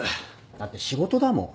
だって仕事だもん。